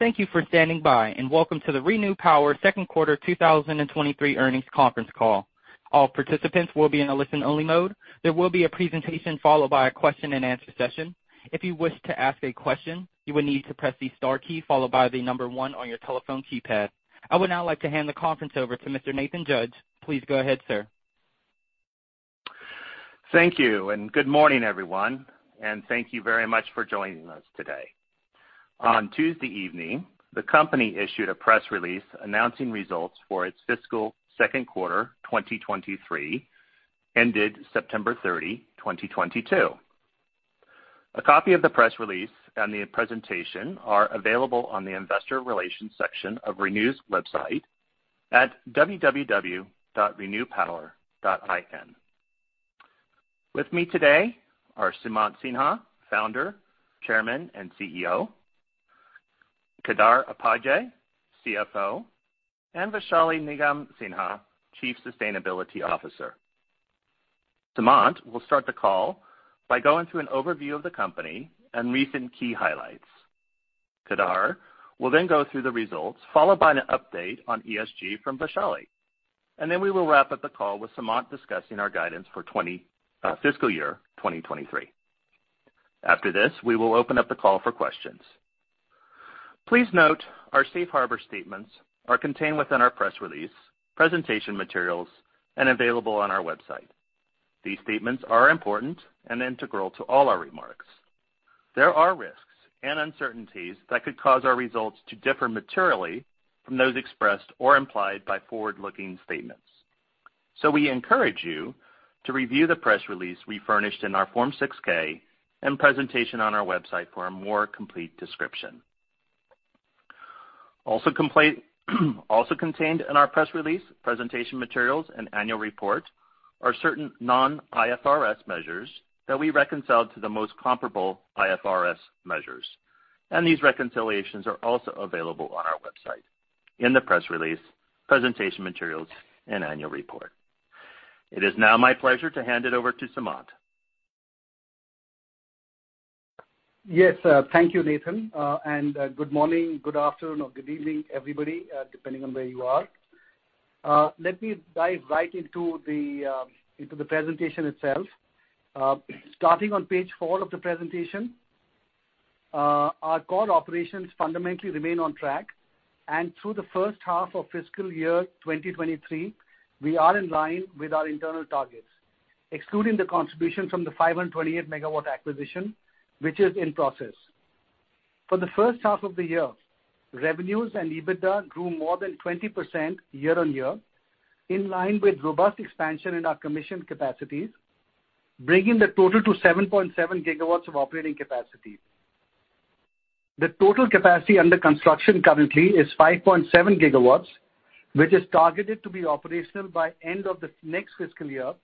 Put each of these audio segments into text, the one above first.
Thank you for standing by, and welcome to the ReNew Energy Global Second Quarter 2023 Earnings Conference Call. All participants will be in a listen-only mode. There will be a presentation followed by a question-and-answer session. If you wish to ask a question, you will need to press the star key followed by the number 1 on your telephone keypad. I would now like to hand the conference over to Mr. Nathan Judge. Please go ahead, sir. Thank you, and good morning, everyone, and thank you very much for joining us today. On Tuesday evening, the company issued a press release announcing results for its fiscal second quarter 2023, ended September 30, 2022. A copy of the press release and the presentation are available on the investor relations section of ReNew's website at www.renewpower.in. With me today are Sumant Sinha, Founder, Chairman, and CEO; Kedar Upadhye, CFO; and Vaishali Nigam Sinha, Chief Sustainability Officer. Sumant will start the call by going through an overview of the company and recent key highlights. Kedar will then go through the results, followed by an update on ESG from Vaishali. We will wrap up the call with Sumant discussing our guidance for fiscal year 2023. After this, we will open up the call for questions. Please note our Safe Harbor statements are contained within our press release, presentation materials, and available on our website. These statements are important and integral to all our remarks. There are risks and uncertainties that could cause our results to differ materially from those expressed or implied by forward-looking statements. We encourage you to review the press release we furnished in our Form 6-K and presentation on our website for a more complete description. Also contained in our press release, presentation materials, and annual report are certain non-IFRS measures that we reconciled to the most comparable IFRS measures. These reconciliations are also available on our website in the press release, presentation materials, and annual report. It is now my pleasure to hand it over to Sumant Sinha. Yes. Thank you, Nathan. Good morning, good afternoon or good evening, everybody, depending on where you are. Let me dive right into the presentation itself. Starting on page 4 of the presentation, our core operations fundamentally remain on track. Through the first half of fiscal year 2023, we are in line with our internal targets, excluding the contribution from the 528-MW acquisition, which is in process. For the first half of the year, revenues and EBITDA grew more than 20% year-on-year, in line with robust expansion in our commissioned capacities, bringing the total to 7.7 GW of operating capacity. The total capacity under construction currently is 5.7 gigawatts, which is targeted to be operational by end of the next fiscal year,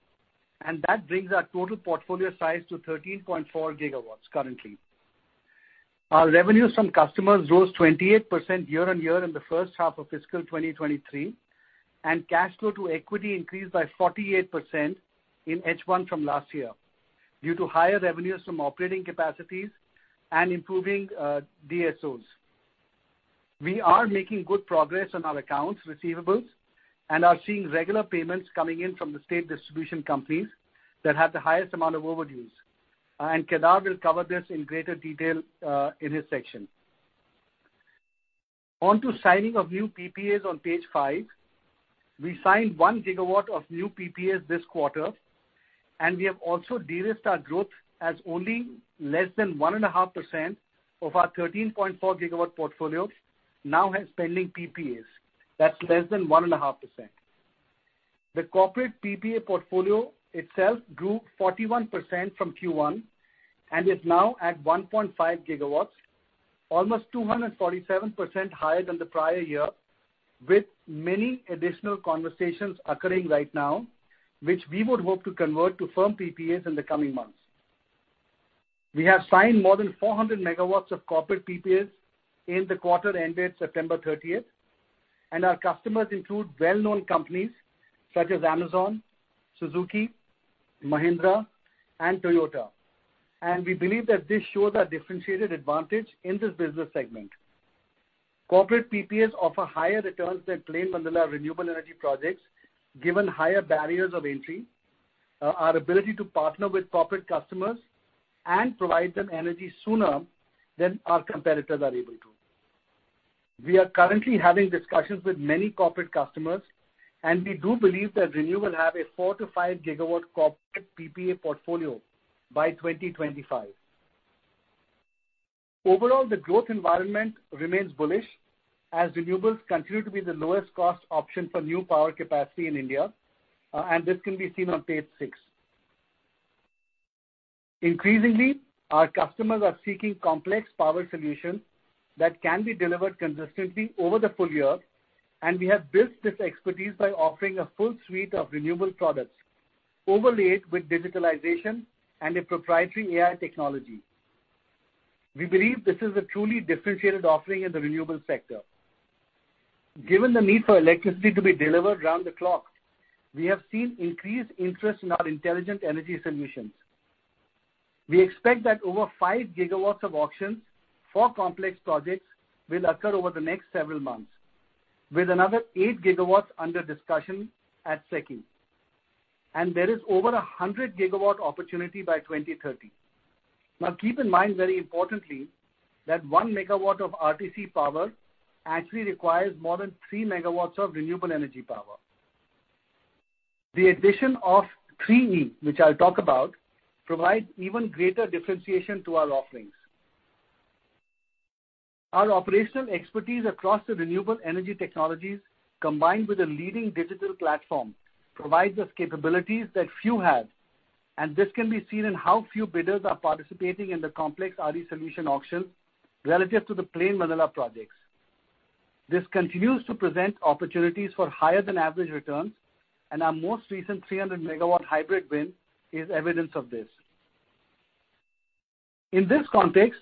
and that brings our total portfolio size to 13.4 gigawatts currently. Our revenues from customers rose 28% year-on-year in the first half of fiscal 2023, and cash flow to equity increased by 48% in H1 from last year due to higher revenues from operating capacities and improving DSOs. We are making good progress on our accounts receivables and are seeing regular payments coming in from the state distribution companies that have the highest amount of overdues. Kedar will cover this in greater detail in his section. On to signing of new PPAs on page 5. We signed 1 gigawatt of new PPAs this quarter, and we have also de-risked our growth as only less than 1.5% of our 13.4 gigawatt portfolio now has pending PPAs. That's less than 1.5%. The corporate PPA portfolio itself grew 41% from Q1 and is now at 1.5 gigawatts, almost 247% higher than the prior year, with many additional conversations occurring right now, which we would hope to convert to firm PPAs in the coming months. We have signed more than 400 megawatts of corporate PPAs in the quarter ended September thirtieth, and our customers include well-known companies such as Amazon, Suzuki, Mahindra, and Toyota. We believe that this shows our differentiated advantage in this business segment. Corporate PPAs offer higher returns than plain vanilla renewable energy projects, given higher barriers of entry, our ability to partner with corporate customers and provide them energy sooner than our competitors are able to. We are currently having discussions with many corporate customers, and we do believe that ReNew will have a 4-5 GW corporate PPA portfolio by 2025. Overall, the growth environment remains bullish as renewables continue to be the lowest cost option for new power capacity in India, and this can be seen on page 6. Increasingly, our customers are seeking complex power solutions that can be delivered consistently over the full year, and we have built this expertise by offering a full suite of renewable products overlaid with digitalization and a proprietary AI technology. We believe this is a truly differentiated offering in the renewable sector. Given the need for electricity to be delivered around the clock, we have seen increased interest in our intelligent energy solutions. We expect that over 5 GW of auctions for complex projects will occur over the next several months, with another 8 GW under discussion at SECI. There is over 100 GW opportunity by 2030. Now, keep in mind, very importantly, that 1 MW of RTC power actually requires more than 3 MW of renewable energy power. The addition of 3E, which I'll talk about, provide even greater differentiation to our offerings. Our operational expertise across the renewable energy technologies, combined with a leading digital platform, provides us capabilities that few have, and this can be seen in how few bidders are participating in the complex RE solution auction relative to the plain vanilla projects. This continues to present opportunities for higher than average returns, and our most recent 300-megawatt hybrid win is evidence of this. In this context,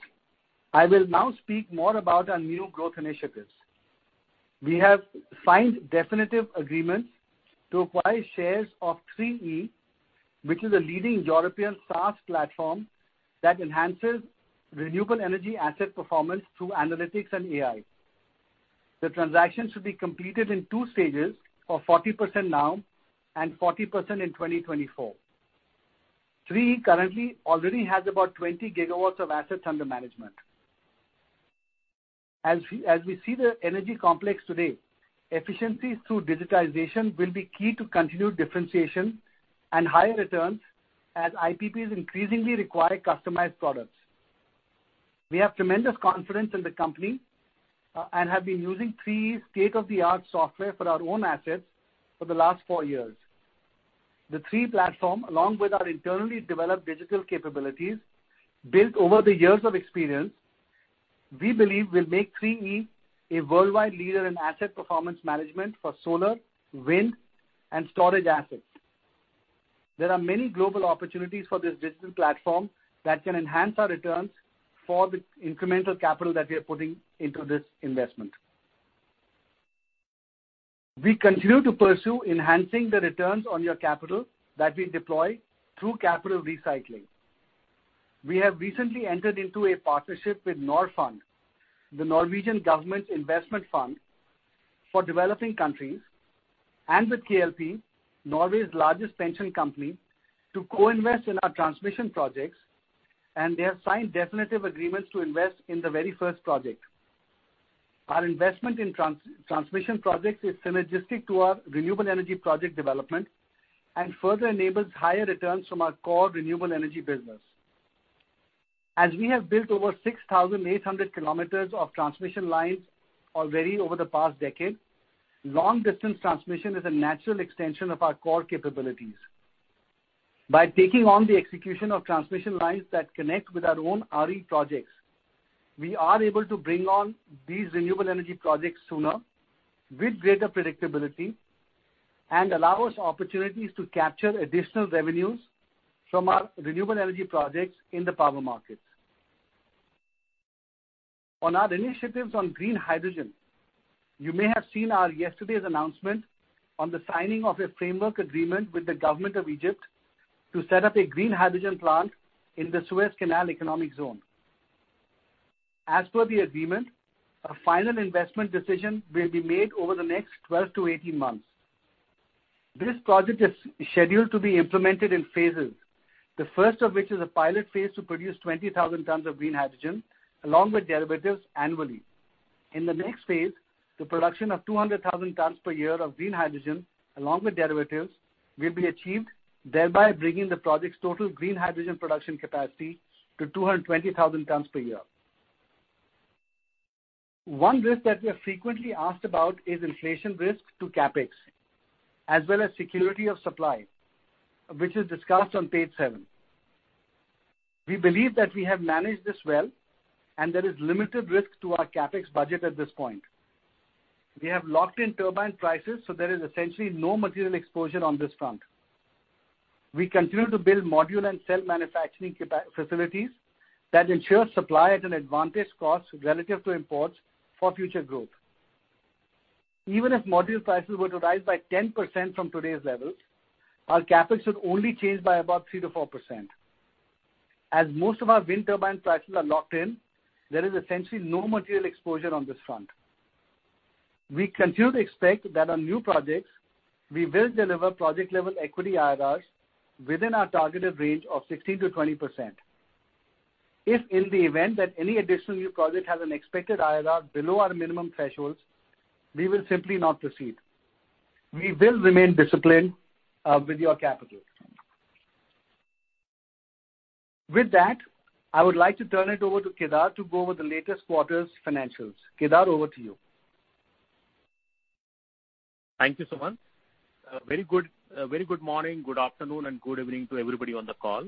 I will now speak more about our new growth initiatives. We have signed definitive agreements to acquire shares of 3E, which is a leading European SaaS platform that enhances renewable energy asset performance through analytics and AI. The transaction should be completed in two stages of 40% now and 40% in 2024. 3E currently already has about 20 gigawatts of assets under management. As we see the energy complex today, efficiencies through digitization will be key to continued differentiation and higher returns as IPPs increasingly require customized products. We have tremendous confidence in the company, and have been using 3E state-of-the-art software for our own assets for the last 4 years. The 3E platform, along with our internally developed digital capabilities, built over the years of experience, we believe will make 3E a worldwide leader in asset performance management for solar, wind, and storage assets. There are many global opportunities for this digital platform that can enhance our returns for the incremental capital that we are putting into this investment. We continue to pursue enhancing the returns on your capital that we deploy through capital recycling. We have recently entered into a partnership with Norfund, the Norwegian government's investment fund for developing countries, and with KLP, Norway's largest pension company, to co-invest in our transmission projects, and they have signed definitive agreements to invest in the very first project. Our investment in transmission projects is synergistic to our renewable energy project development and further enables higher returns from our core renewable energy business. As we have built over 6,800 kilometers of transmission lines already over the past decade, long-distance transmission is a natural extension of our core capabilities. By taking on the execution of transmission lines that connect with our own RE projects, we are able to bring on these renewable energy projects sooner with greater predictability and allow us opportunities to capture additional revenues from our renewable energy projects in the power markets. On our initiatives on green hydrogen, you may have seen our yesterday's announcement on the signing of a framework agreement with the government of Egypt to set up a green hydrogen plant in the Suez Canal Economic Zone. As per the agreement, a final investment decision will be made over the next 12-18 months. This project is scheduled to be implemented in phases, the first of which is a pilot phase to produce 20,000 tons of green hydrogen along with derivatives annually. In the next phase, the production of 200,000 tons per year of green hydrogen, along with derivatives, will be achieved, thereby bringing the project's total green hydrogen production capacity to 220,000 tons per year. One risk that we are frequently asked about is inflation risk to CapEx, as well as security of supply, which is discussed on page 7. We believe that we have managed this well, and there is limited risk to our CapEx budget at this point. We have locked in turbine prices, so there is essentially no material exposure on this front. We continue to build module and cell manufacturing facilities that ensure supply at an advantage cost relative to imports for future growth. Even if module prices were to rise by 10% from today's levels, our CapEx would only change by about 3%-4%. As most of our wind turbine prices are locked in, there is essentially no material exposure on this front. We continue to expect that on new projects, we will deliver project-level equity IRRs within our targeted range of 16%-20%. If in the event that any additional new project has an expected IRR below our minimum thresholds, we will simply not proceed. We will remain disciplined with your capital. With that, I would like to turn it over to Kedar to go over the latest quarter's financials. Kedar, over to you. Thank you, Sumant. Very good morning, good afternoon, and good evening to everybody on the call.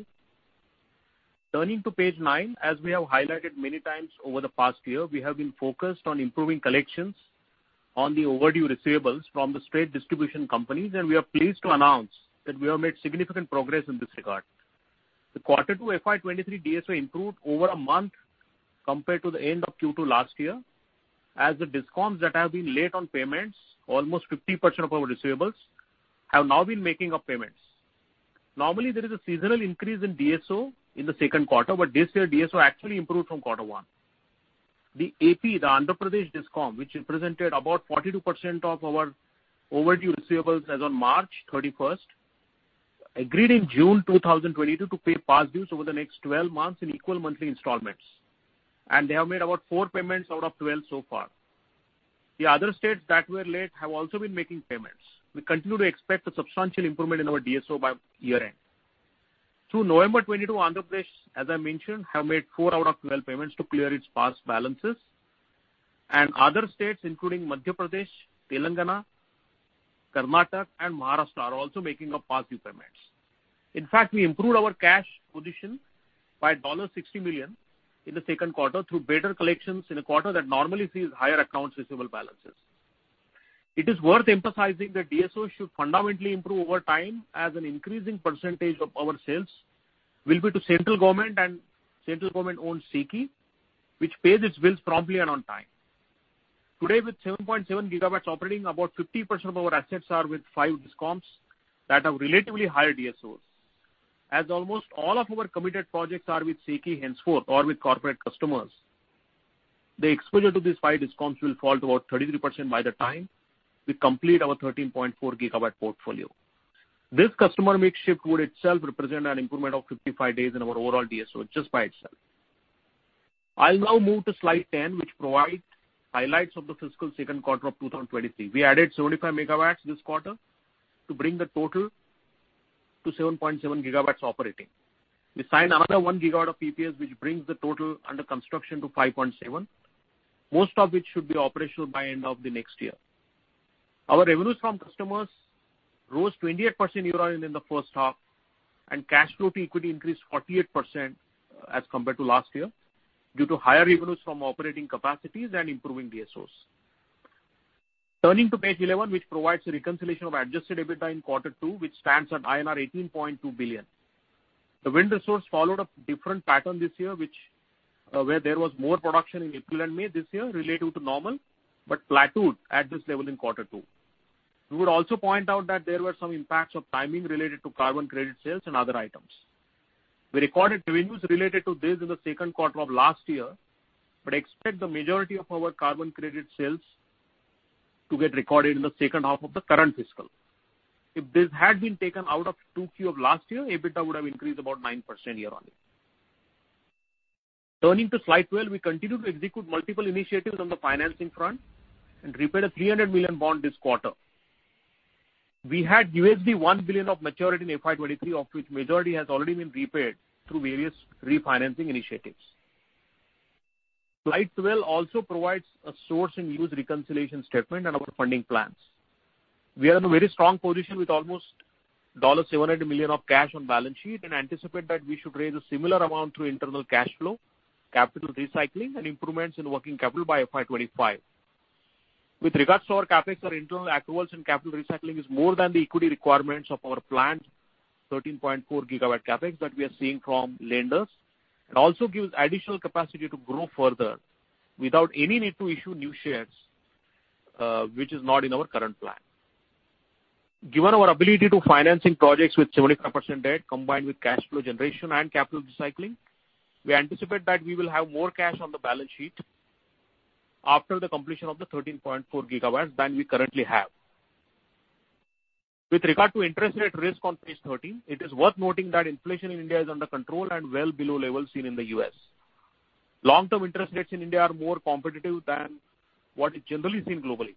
Turning to page nine, as we have highlighted many times over the past year, we have been focused on improving collections on the overdue receivables from the state distribution companies, and we are pleased to announce that we have made significant progress in this regard. The Q2 FY 2023 DSO improved over a month compared to the end of Q2 last year. As the discoms that have been late on payments, almost 50% of our receivables, have now been making up payments. Normally, there is a seasonal increase in DSO in the second quarter, but this year DSO actually improved from Q1. The AP, the Andhra Pradesh DISCOM, which represented about 42% of our overdue receivables as on March 31, agreed in June 2022 to pay past dues over the next 12 months in equal monthly installments, and they have made about 4 payments out of 12 so far. The other states that were late have also been making payments. We continue to expect a substantial improvement in our DSO by year-end. Through November 2022, Andhra Pradesh, as I mentioned, have made 4 out of 12 payments to clear its past balances, and other states, including Madhya Pradesh, Telangana, Karnataka and Maharashtra, are also making up past due payments. In fact, we improved our cash position by $60 million in the second quarter through better collections in a quarter that normally sees higher accounts receivable balances. It is worth emphasizing that DSO should fundamentally improve over time as an increasing percentage of our sales will be to central government and central government owned SECI, which pays its bills promptly and on time. Today, with 7.7 gigawatts operating, about 50% of our assets are with five DISCOMs that have relatively higher DSOs. As almost all of our committed projects are with SECI henceforth or with corporate customers, the exposure to these five DISCOMs will fall to about 33% by the time we complete our 13.4 gigawatt portfolio. This customer mix shift would itself represent an improvement of 55 days in our overall DSO just by itself. I'll now move to Slide 10, which provides highlights of the fiscal second quarter of 2023. We added 75 megawatts this quarter to bring the total to 7.7 gigawatts operating. We signed another 1 GW PPA, which brings the total under construction to 5.7, most of which should be operational by end of the next year. Our revenues from customers rose 28% year-on-year in the first half, and cash flow to equity increased 48% as compared to last year due to higher revenues from operating capacities and improving DSOs. Turning to page 11, which provides a reconciliation of adjusted EBITDA in quarter two, which stands at INR 18.2 billion. The wind resource followed a different pattern this year, which, where there was more production in April and May this year relative to normal but plateaued at this level in quarter two. We would also point out that there were some impacts of timing related to carbon credit sales and other items. We recorded revenues related to this in the second quarter of last year, but expect the majority of our carbon credit sales to get recorded in the second half of the current fiscal. If this had been taken out of 2Q of last year, EBITDA would have increased about 9% year-on-year. Turning to Slide 12, we continue to execute multiple initiatives on the financing front and repaid a $300 million bond this quarter. We had $1 billion of maturity in FY 2023, of which majority has already been repaid through various refinancing initiatives. Slide 12 also provides a source and use reconciliation statement and our funding plans. We are in a very strong position with almost $700 million of cash on balance sheet and anticipate that we should raise a similar amount through internal cash flow, capital recycling and improvements in working capital by FY 2025. With regards to our CapEx, our internal accruals and capital recycling is more than the equity requirements of our planned 13.4 GW CapEx that we are seeking from lenders. It also gives additional capacity to grow further without any need to issue new shares, which is not in our current plan. Given our ability to finance projects with 75% debt combined with cash flow generation and capital recycling, we anticipate that we will have more cash on the balance sheet after the completion of the 13.4 gigawatts than we currently have. With regard to interest rate risk on page 13, it is worth noting that inflation in India is under control and well below levels seen in the U.S. Long-term interest rates in India are more competitive than what is generally seen globally.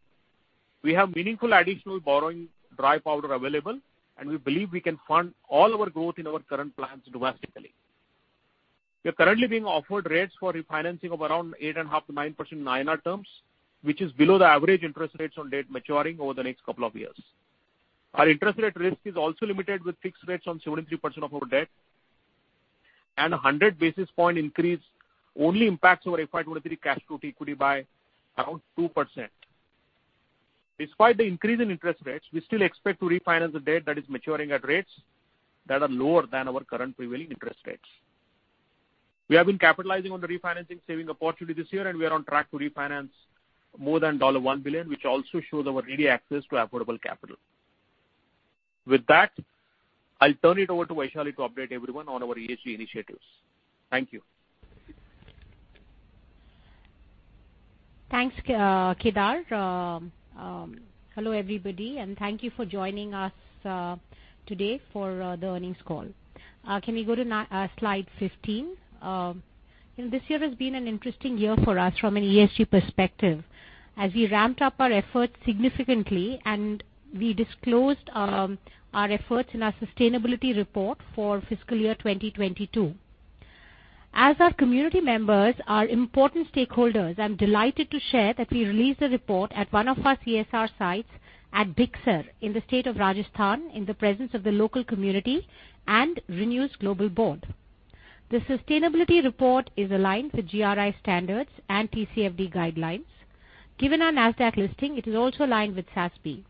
We have meaningful additional borrowing dry powder available, and we believe we can fund all our growth in our current plans domestically. We are currently being offered rates for refinancing of around 8.5%-9% INR terms, which is below the average interest rates on debt maturing over the next couple of years. Our interest rate risk is also limited with fixed rates on 73% of our debt and a 100 basis point increase only impacts our FY 2023 cash flow to equity by around 2%. Despite the increase in interest rates, we still expect to refinance the debt that is maturing at rates that are lower than our current prevailing interest rates. We have been capitalizing on the refinancing saving opportunity this year, and we are on track to refinance more than $1 billion, which also shows our ready access to affordable capital. With that, I'll turn it over to Vaishali to update everyone on our ESG initiatives. Thank you. Thanks, Kedar. Hello everybody, and thank you for joining us today for the earnings call. Can we go to Slide 15? This year has been an interesting year for us from an ESG perspective as we ramped up our efforts significantly and we disclosed our efforts in our sustainability report for fiscal year 2022. As our community members are important stakeholders, I'm delighted to share that we released a report at one of our CSR sites at Bikaner in the state of Rajasthan in the presence of the local community and ReNew's global board. The sustainability report is aligned to GRI standards and TCFD guidelines. Given our Nasdaq listing, it is also aligned with SASB.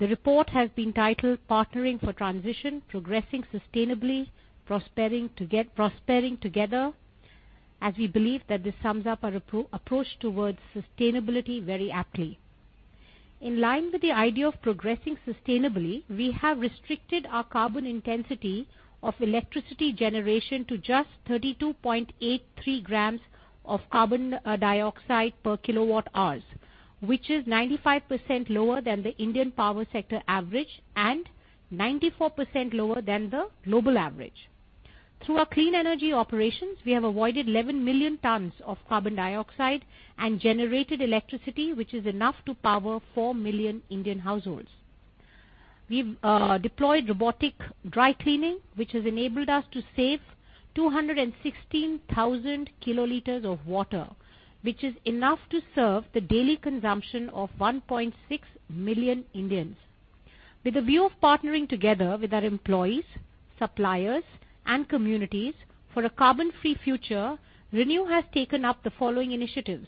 The report has been titled Partnering for Transition: Progressing Sustainably, Prospering Together, as we believe that this sums up our approach towards sustainability very aptly. In line with the idea of progressing sustainably, we have restricted our carbon intensity of electricity generation to just 32.83 grams of carbon dioxide per kilowatt hours, which is 95% lower than the Indian power sector average and 94% lower than the global average. Through our clean energy operations, we have avoided 11 million tons of carbon dioxide and generated electricity, which is enough to power 4 million Indian households. We've deployed robotic dry cleaning, which has enabled us to save 216,000 kiloliters of water, which is enough to serve the daily consumption of 1.6 million Indians. With a view of partnering together with our employees, suppliers, and communities for a carbon-free future, ReNew has taken up the following initiatives.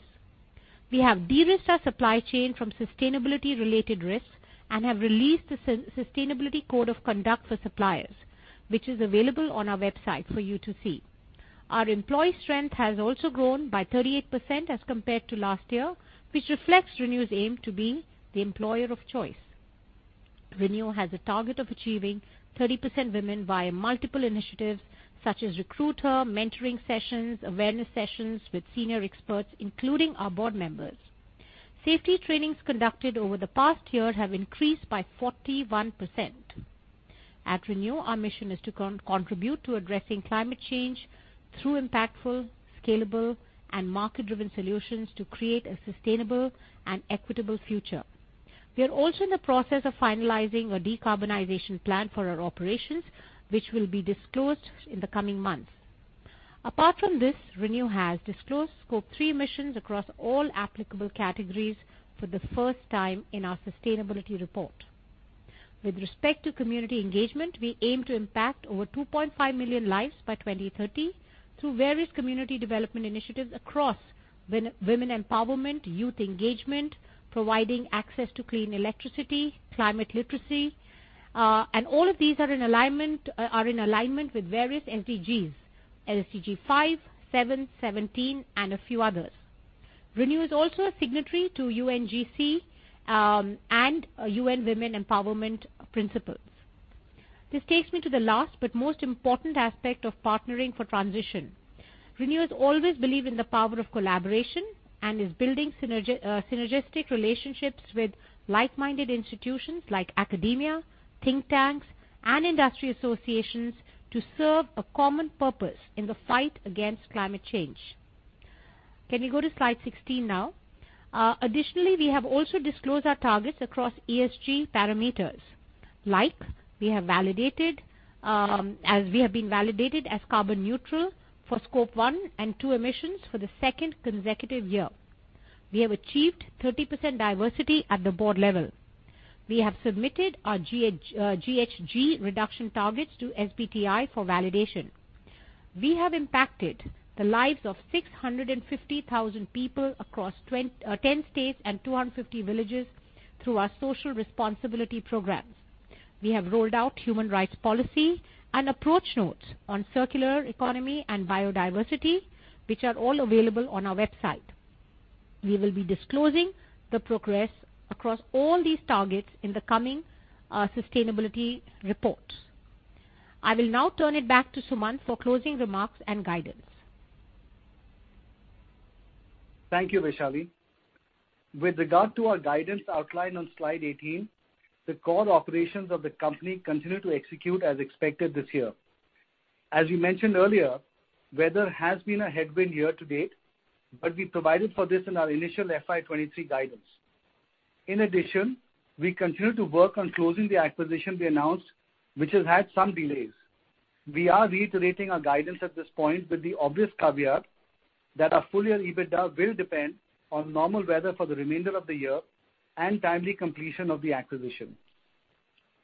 We have de-risked our supply chain from sustainability-related risks and have released the sustainability code of conduct for suppliers, which is available on our website for you to see. Our employee strength has also grown by 38% as compared to last year, which reflects ReNew's aim to be the employer of choice. ReNew has a target of achieving 30% women via multiple initiatives such as recruiter, mentoring sessions, awareness sessions with senior experts, including our board members. Safety trainings conducted over the past year have increased by 41%. At ReNew, our mission is to contribute to addressing climate change through impactful, scalable, and market-driven solutions to create a sustainable and equitable future. We are also in the process of finalizing a decarbonization plan for our operations, which will be disclosed in the coming months. Apart from this, ReNew has disclosed Scope 3 emissions across all applicable categories for the first time in our sustainability report. With respect to community engagement, we aim to impact over 2.5 million lives by 2030 through various community development initiatives across women empowerment, youth engagement, providing access to clean electricity, climate literacy, and all of these are in alignment with various SDGs, SDG 5, 7, 17, and a few others. ReNew is also a signatory to UNGC and UN Women's Empowerment Principles. This takes me to the last but most important aspect of partnering for transition. ReNew has always believed in the power of collaboration and is building synergistic relationships with like-minded institutions like academia, think tanks, and industry associations to serve a common purpose in the fight against climate change. Can we go to Slide 16 now? Additionally, we have also disclosed our targets across ESG parameters. Like, we have validated, as we have been validated as carbon neutral for Scope 1 and 2 emissions for the second consecutive year. We have achieved 30% diversity at the board level. We have submitted our GHG reduction targets to SBTi for validation. We have impacted the lives of 650,000 people across 10 states and 250 villages through our social responsibility programs. We have rolled out human rights policy and approach notes on circular economy and biodiversity, which are all available on our website. We will be disclosing the progress across all these targets in the coming sustainability reports. I will now turn it back to Sumant for closing remarks and guidance. Thank you, Vaishali. With regard to our guidance outlined on Slide 18, the core operations of the company continue to execute as expected this year. As we mentioned earlier, weather has been a headwind year to date, but we provided for this in our initial FY 2023 guidance. In addition, we continue to work on closing the acquisition we announced, which has had some delays. We are reiterating our guidance at this point with the obvious caveat that our full-year EBITDA will depend on normal weather for the remainder of the year and timely completion of the acquisition.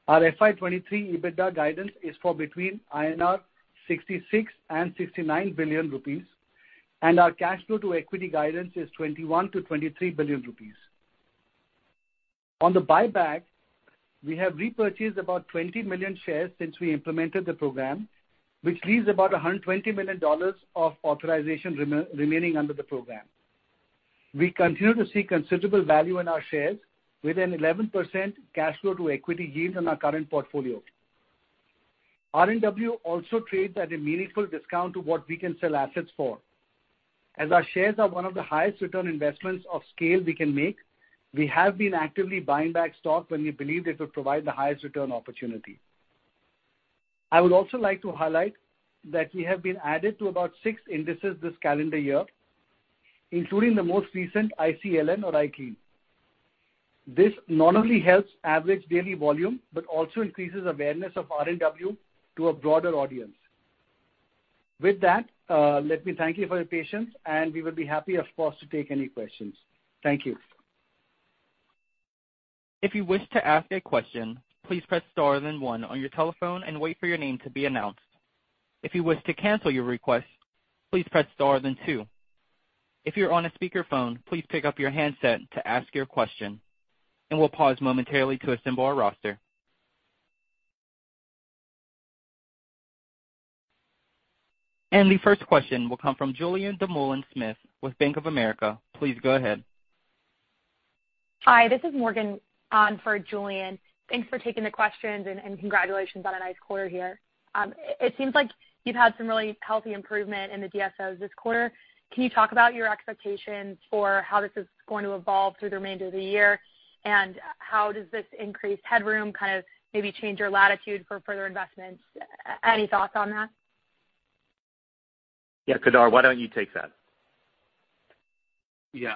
Our FY 2023 EBITDA guidance is for between INR 66 and 69 billion, and our cash flow to equity guidance is 21-23 billion rupees. On the buyback, we have repurchased about 20 million shares since we implemented the program, which leaves about $120 million of authorization remaining under the program. We continue to see considerable value in our shares with an 11% cash flow to equity yield on our current portfolio. RNW also trades at a meaningful discount to what we can sell assets for. As our shares are one of the highest return investments of scale we can make, we have been actively buying back stock when we believe it will provide the highest return opportunity. I would also like to highlight that we have been added to about 6 indices this calendar year, including the most recent, ICLN or ICLN. This not only helps average daily volume, but also increases awareness of RNW to a broader audience. With that, let me thank you for your patience, and we will be happy, of course, to take any questions. Thank you. If you wish to ask a question, please press star then 1 on your telephone and wait for your name to be announced. If you wish to cancel your request, please press star then 2. If you're on a speakerphone, please pick up your handset to ask your question. We'll pause momentarily to assemble our roster. The first question will come from Julien Dumoulin-Smith with Bank of America. Please go ahead. Hi, this is Morgan on for Julien Dumoulin-Smith. Thanks for taking the questions and congratulations on a nice quarter here. It seems like you've had some really healthy improvement in the DSOs this quarter. Can you talk about your expectations for how this is going to evolve through the remainder of the year? How does this increase headroom kind of maybe change your latitude for further investments? Any thoughts on that? Yeah. Kedar, why don't you take that? Yeah.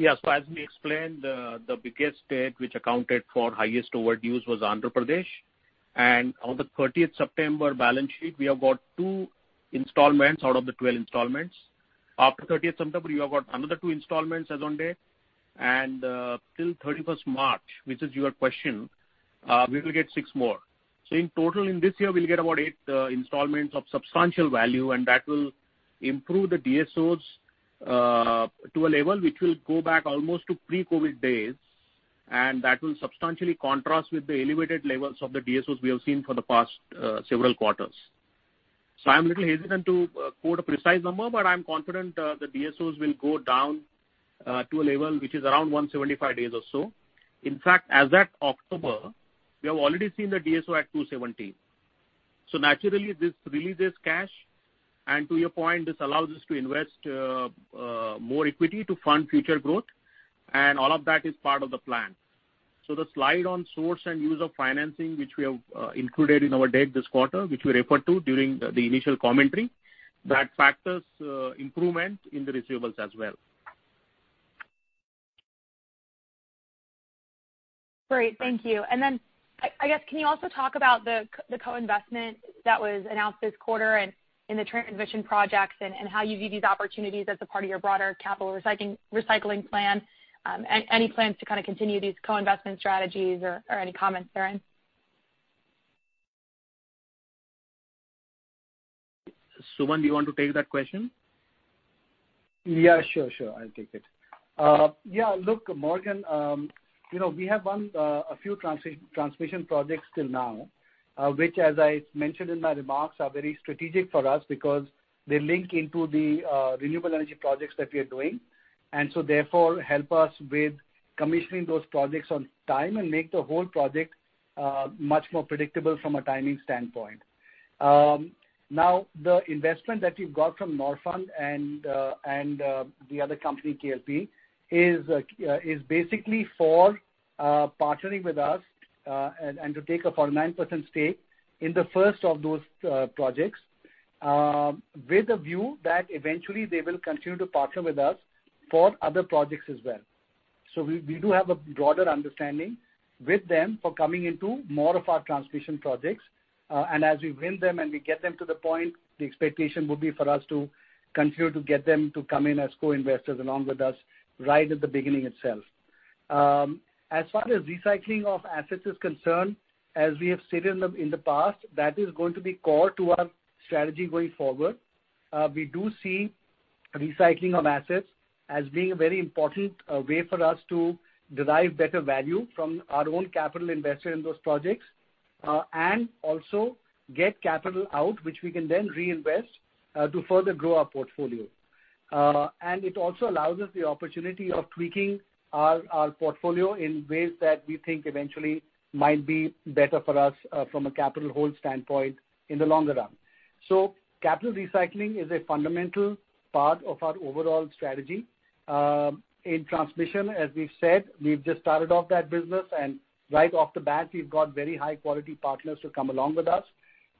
Yes, as we explained, the biggest state which accounted for highest overdues was Andhra Pradesh. On the thirtieth September balance sheet, we have got 2 installments out of the 12 installments. After thirtieth September, we have got another 2 installments as on date. Till thirty-first March, which is your question, we will get 6 more. In total in this year, we'll get about 8 installments of substantial value, and that will improve the DSOs to a level which will go back almost to pre-COVID days, and that will substantially contrast with the elevated levels of the DSOs we have seen for the past several quarters. I'm a little hesitant to quote a precise number, but I'm confident the DSOs will go down to a level which is around 175 days or so. In fact, as at October, we have already seen the DSO at 270. Naturally, this releases cash, and to your point, this allows us to invest more equity to fund future growth. All of that is part of the plan. The slide on sources and uses of financing, which we have included in our deck this quarter, which we referred to during the initial commentary, that factors in improvement in the receivables as well. Great. Thank you. Then I guess, can you also talk about the co-investment that was announced this quarter and in the transmission projects and how you view these opportunities as a part of your broader capital recycling plan? Any plans to kind of continue these co-investment strategies or any comments therein? Sumant, do you want to take that question? Yeah, sure. I'll take it. Yeah, look, Morgan, you know, we have won a few transmission projects till now, which, as I mentioned in my remarks, are very strategic for us because they link into the renewable energy projects that we are doing. Therefore help us with commissioning those projects on time and make the whole project much more predictable from a timing standpoint. Now, the investment that we've got from Norfund and the other company, KLP, is basically for partnering with us and to take a 49% stake in the first of those projects, with a view that eventually they will continue to partner with us for other projects as well. We do have a broader understanding with them for coming into more of our transmission projects, and as we win them and we get them to the point, the expectation would be for us to continue to get them to come in as co-investors along with us right at the beginning itself. As far as recycling of assets is concerned, as we have stated in the past, that is going to be core to our strategy going forward. We do see recycling of assets as being a very important way for us to derive better value from our own capital invested in those projects, and also get capital out, which we can then reinvest to further grow our portfolio. It also allows us the opportunity of tweaking our portfolio in ways that we think eventually might be better for us from a capital hold standpoint in the longer run. Capital recycling is a fundamental part of our overall strategy. In transmission, as we've said, we've just started off that business, and right off the bat, we've got very high-quality partners to come along with us.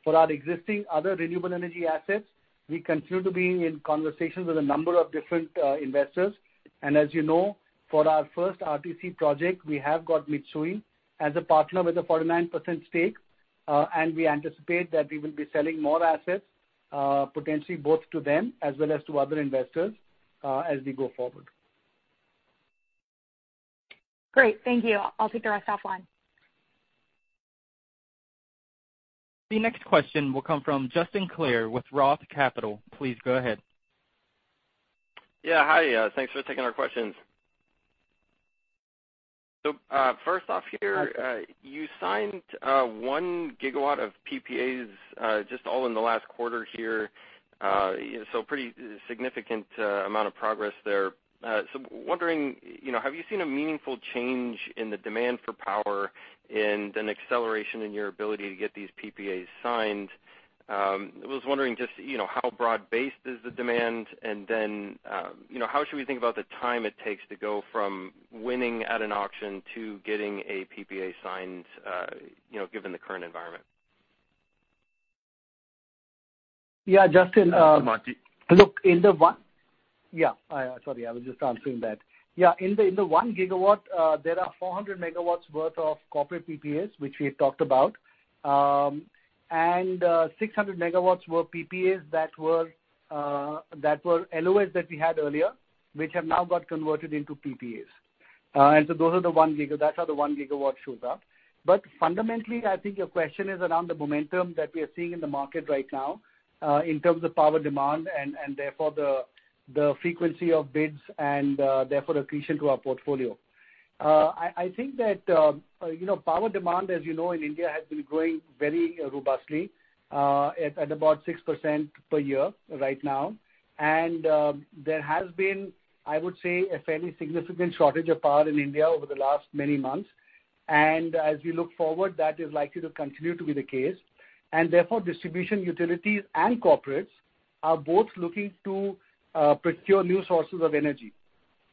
For our existing other renewable energy assets, we continue to be in conversations with a number of different investors. As you know, for our first RTC project, we have got Mitsui as a partner with a 49% stake, and we anticipate that we will be selling more assets potentially both to them as well as to other investors as we go forward. Great. Thank you. I'll take the rest offline. The next question will come from Justin Clare with Roth Capital. Please go ahead. Yeah. Hi. Thanks for taking our questions. First off here, you signed 1 gigawatt of PPAs just all in the last quarter here. Pretty significant amount of progress there. Wondering, you know, have you seen a meaningful change in the demand for power and an acceleration in your ability to get these PPAs signed? I was wondering just, you know, how broad-based is the demand? Then, you know, how should we think about the time it takes to go from winning at an auction to getting a PPA signed, you know, given the current environment? Yeah, Justin- Sumant here. Look, in the 1 gigawatt, there are 400 megawatts worth of corporate PPAs, which we had talked about. 600 megawatts were PPAs that were LOIs that we had earlier, which have now got converted into PPAs. Those are the 1 giga, that's how the 1 gigawatt shows up. Fundamentally, I think your question is around the momentum that we are seeing in the market right now, in terms of power demand, and therefore the frequency of bids and therefore accretion to our portfolio. I think that, you know, power demand, as you know, in India has been growing very robustly, at about 6% per year right now. There has been, I would say, a fairly significant shortage of power in India over the last many months. As we look forward, that is likely to continue to be the case. Therefore, distribution utilities and corporates are both looking to procure new sources of energy.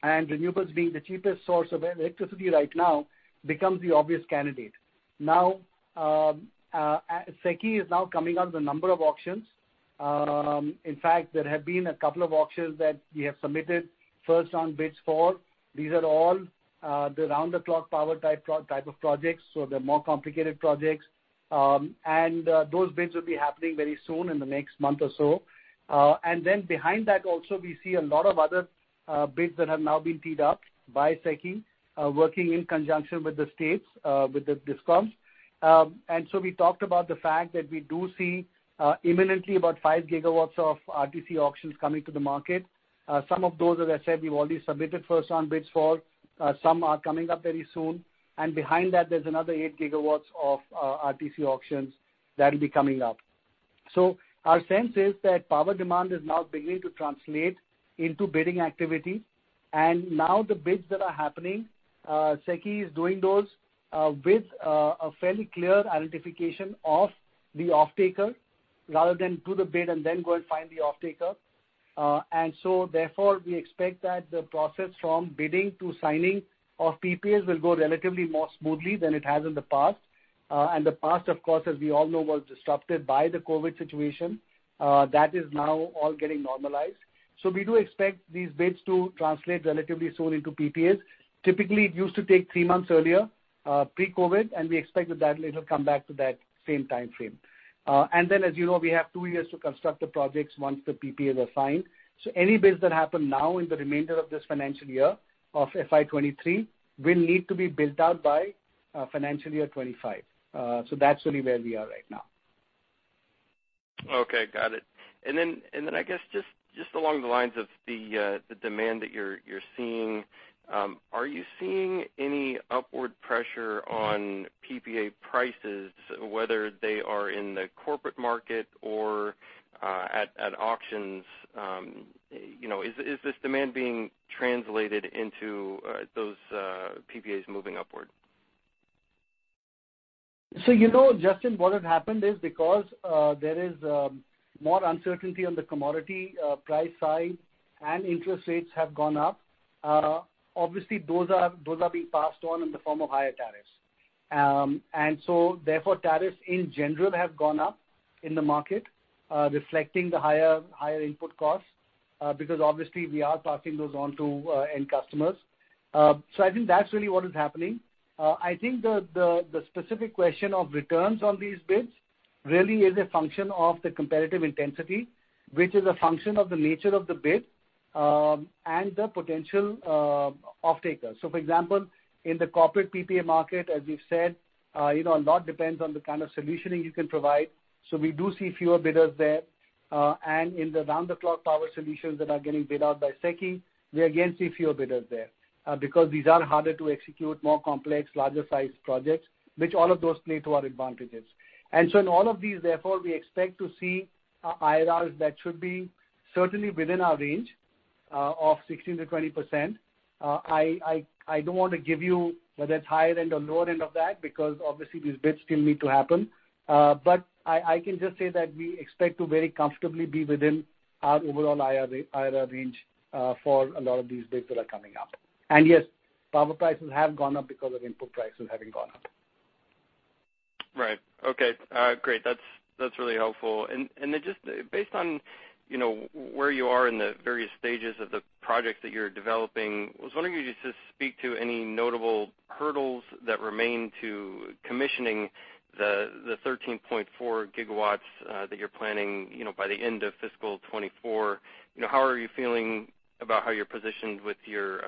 Renewables being the cheapest source of electricity right now becomes the obvious candidate. Now, SECI is now coming out with a number of auctions. In fact, there have been a couple of auctions that we have submitted first on bids for. These are all the round-the-clock power type of projects, so they're more complicated projects. Those bids will be happening very soon in the next month or so. Behind that also we see a lot of other bids that have now been teed up by SECI, working in conjunction with the states, with the DISCOMs. We talked about the fact that we do see imminently about 5 gigawatts of RTC auctions coming to the market. Some of those, as I said, we've already submitted first on bids for. Some are coming up very soon. Behind that, there's another 8 gigawatts of RTC auctions that'll be coming up. Our sense is that power demand is now beginning to translate into bidding activity. Now the bids that are happening, SECI is doing those, with a fairly clear identification of the off-taker rather than do the bid and then go and find the off-taker. Therefore, we expect that the process from bidding to signing of PPAs will go relatively more smoothly than it has in the past. The past, of course, as we all know, was disrupted by the COVID situation. That is now all getting normalized. We do expect these bids to translate relatively soon into PPAs. Typically, it used to take three months earlier, pre-COVID, and we expect that it'll come back to that same time frame. Then as you know, we have two years to construct the projects once the PPAs are signed. Any bids that happen now in the remainder of this financial year of FY 2023 will need to be built out by financial year 2025. That's really where we are right now. Okay, got it. I guess just along the lines of the demand that you're seeing, are you seeing any upward pressure on PPA prices, whether they are in the corporate market or at auctions? You know, is this demand being translated into those PPAs moving upward? You know, Justin, what has happened is because there is more uncertainty on the commodity price side and interest rates have gone up, obviously those are being passed on in the form of higher tariffs. Therefore, tariffs in general have gone up in the market, reflecting the higher input costs, because obviously we are passing those on to end customers. I think that's really what is happening. I think the specific question of returns on these bids really is a function of the competitive intensity, which is a function of the nature of the bid, and the potential off-takers. For example, in the corporate PPA market, as we've said, you know, a lot depends on the kind of solutioning you can provide. We do see fewer bidders there. In the round-the-clock power solutions that are getting bid out by SECI, we again see fewer bidders there, because these are harder to execute, more complex, larger sized projects, which all of those play to our advantages. In all of these, therefore, we expect to see IRRs that should be certainly within our range of 16%-20%. I don't want to give you whether it's higher end or lower end of that because obviously these bids still need to happen. I can just say that we expect to very comfortably be within our overall IRR range for a lot of these bids that are coming up. Yes, power prices have gone up because of input prices having gone up. Right. Okay. Great. That's really helpful. Just based on, you know, where you are in the various stages of the projects that you're developing, I was wondering if you could just speak to any notable hurdles that remain to commissioning the 13.4 gigawatts that you're planning, you know, by the end of fiscal 2024. You know, how are you feeling about how you're positioned with your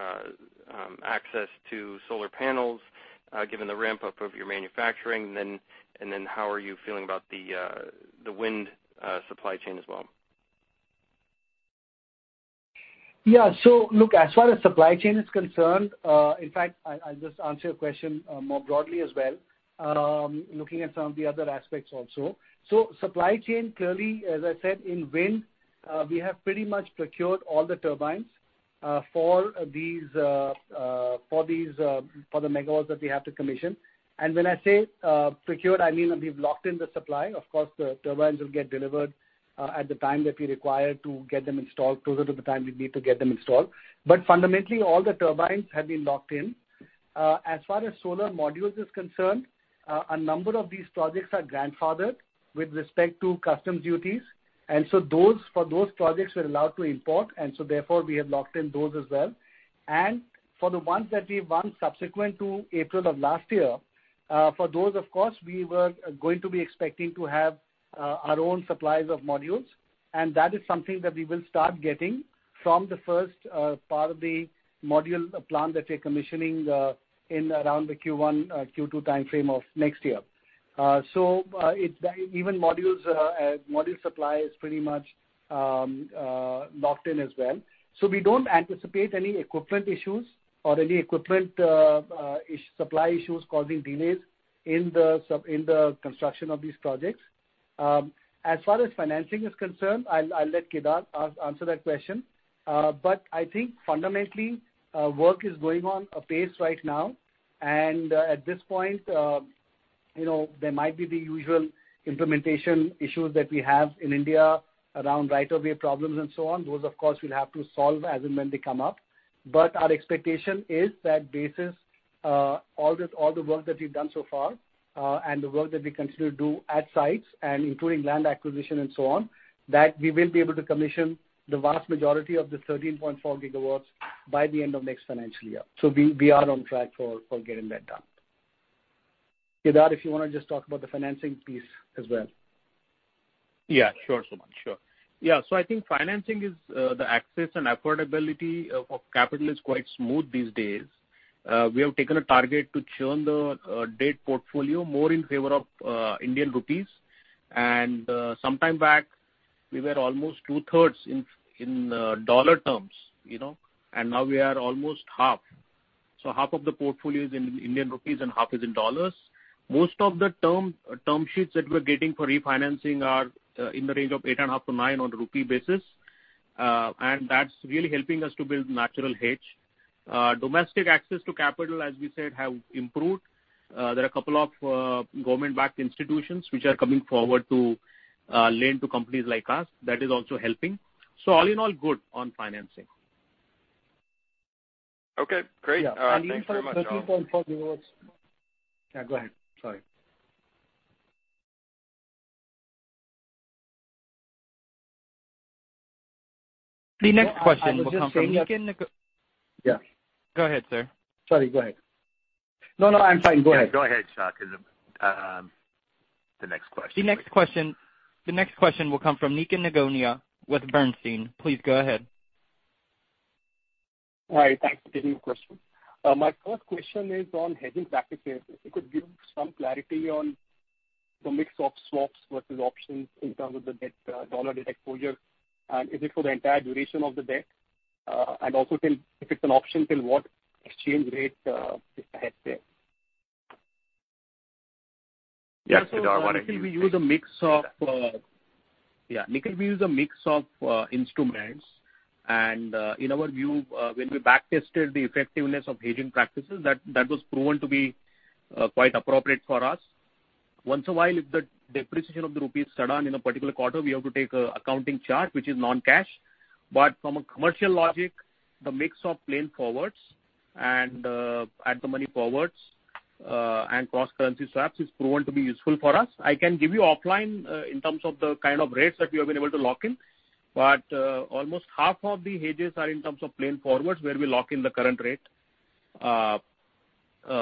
access to solar panels, given the ramp-up of your manufacturing? How are you feeling about the wind supply chain as well? Yeah. Look, as far as supply chain is concerned, in fact, I'll just answer your question more broadly as well, looking at some of the other aspects also. Supply chain, clearly, as I said, in wind, we have pretty much procured all the turbines for the megawatts that we have to commission. When I say procured, I mean that we've locked in the supply. Of course, the turbines will get delivered at the time that we require to get them installed, closer to the time we need to get them installed. But fundamentally, all the turbines have been locked in. As far as solar modules is concerned, a number of these projects are grandfathered with respect to customs duties. Those, for those projects we're allowed to import, and so therefore we have locked in those as well. For the ones that we've won subsequent to April of last year, for those, of course, we were going to be expecting to have our own supplies of modules, and that is something that we will start getting from the first part of the module plant that we're commissioning in around the Q1 or Q2 timeframe of next year. Even modules, module supply is pretty much locked in as well. We don't anticipate any equipment issues or any equipment supply issues causing delays in the construction of these projects. As far as financing is concerned, I'll let Kedar answer that question. I think fundamentally, work is going on apace right now. At this point, you know, there might be the usual implementation issues that we have in India around right-of-way problems and so on. Those, of course, we'll have to solve as and when they come up. Our expectation is that based on all the work that we've done so far and the work that we continue to do at sites and including land acquisition and so on, that we will be able to commission the vast majority of the 13.4 gigawatts by the end of next financial year. We are on track for getting that done. Kedar, if you wanna just talk about the financing piece as well. Yeah, sure, Sumant. Sure. Yeah. I think financing is the access and affordability of capital is quite smooth these days. We have taken a target to churn the debt portfolio more in favor of Indian rupees. Sometime back, we were almost two-thirds in dollar terms, you know, and now we are almost half. Half of the portfolio is in Indian rupees and half is in dollars. Most of the term sheets that we're getting for refinancing are in the range of 8.5%-9% on a rupee basis, and that's really helping us to build natural hedge. Domestic access to capital as we said have improved. There are a couple of government-backed institutions which are coming forward to lend to companies like us. That is also helping. All in all, good on financing. Okay, great. Yeah. All right. Thanks very much, all. For the 13.4 gigawatts. Yeah, go ahead. Sorry. The next question will come from. I was just saying that. Yeah. Go ahead, sir. Sorry, go ahead. No, no, I'm fine. Go ahead. Yeah, go ahead, Sha, cause the next question. The next question will come from Nikhil Nigania with Bernstein. Please go ahead. Hi. Thanks for taking the question. My first question is on hedging practices. If you could give some clarity on the mix of swaps versus options in terms of the debt, dollar debt exposure, and is it for the entire duration of the debt? Also, if it's an option, till what exchange rate is hedged there? Yeah, Kedar, why don't you- Nikhil, we use a mix of instruments. In our view, when we back-tested the effectiveness of hedging practices, that was proven to be quite appropriate for us. Once in a while, if the depreciation of the rupee is sudden in a particular quarter, we have to take an accounting charge, which is non-cash. From a commercial logic, the mix of plain forwards and at-the-money forwards and cross-currency swaps is proven to be useful for us. I can give you offline in terms of the kind of rates that we have been able to lock in, but almost half of the hedges are in terms of plain forwards, where we lock in the current rate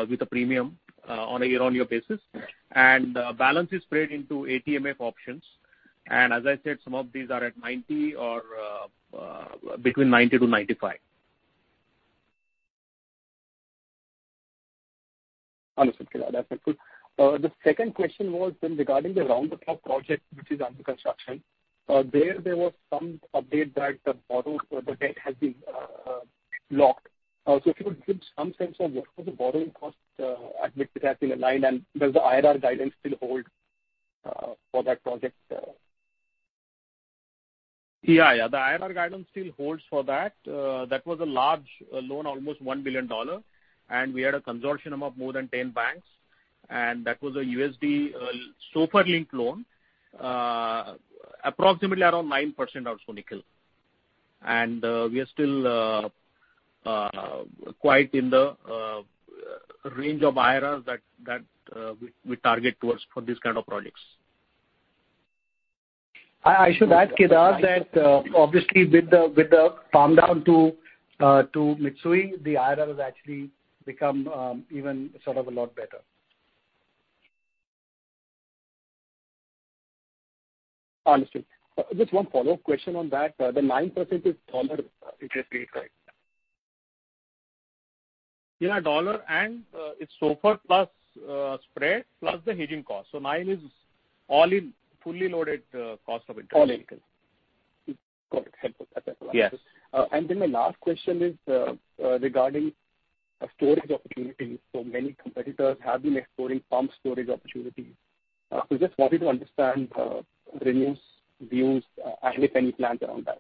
with a premium on a year-on-year basis. Balance is spread into ATMF options. As I said, some of these are at 90 or between 90-95. Understood, Kedar. That's helpful. The second question was then regarding the Round-the-Clock project, which is under construction. There was some update that the debt has been locked. If you could give some sense of what was the borrowing cost at which it has been aligned, and does the IRR guidance still hold for that project? Yeah, yeah. The IRR guidance still holds for that. That was a large loan, almost $1 billion, and we had a consortium of more than 10 banks, and that was a USD SOFR-linked loan, approximately 9% or so, Nikhil. We are still quite in the range of IRRs that we target towards for these kind of projects. I should add, Kedar, that obviously with the farm down to Mitsui, the IRR has actually become even sort of a lot better. Understood. Just one follow-up question on that. The 9% is dollar interest rate, right? Yeah, dollar and it's SOFR plus spread plus the hedging cost. 9% is all in fully loaded cost of interest. All in. Got it. Helpful. That's what I wanted. Yes. The last question is regarding storage opportunities. Many competitors have been exploring pumped storage opportunities. Just wanted to understand ReNew's views and if any plans around that.